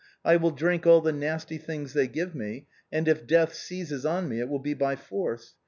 I will drink all the nasty things they give me, and if death seizes on me it will be by force.